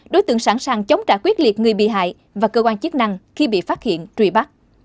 đối tượng sẵn sàng chống trả quyết liệt người bị hại và cơ quan chức năng khi bị phát hiện truy bắt